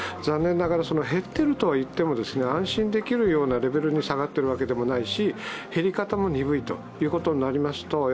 残念ながら減っているとはいっても安心できるようなレベルに下がっているわけでもないし減り方も鈍いということになりますと、